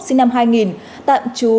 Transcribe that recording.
sinh năm hai nghìn tạm trú